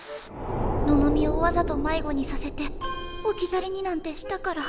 ののみをわざと迷子にさせて置き去りになんてしたから。